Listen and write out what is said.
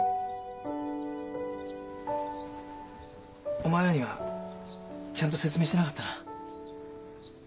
お前らにはちゃんと説明してなかったな。